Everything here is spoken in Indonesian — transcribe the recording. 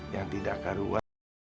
yang tidak karuan